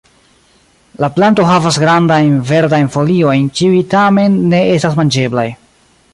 La planto havas grandajn, verdajn foliojn, kiuj tamen ne estas manĝeblaj.